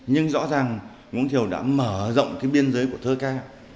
nhưng rõ ràng nguyễn quang thiều đã mở rộng cái biên giới của thơ ca